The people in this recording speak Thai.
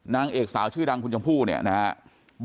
นางเอกสาวชื่อดังคุณชมพู่เนี่ยนะครับ